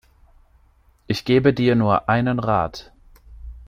Ich gebe dir nur einen Rat.